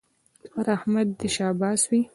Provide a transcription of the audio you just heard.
پر احمد دې شاباس وي